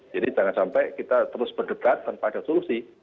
jadi jangan sampai kita terus berdebat tanpa ada solusi